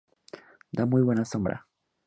Da muy buena sombra.